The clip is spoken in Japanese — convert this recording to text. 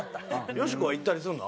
よしこは行ったりするの？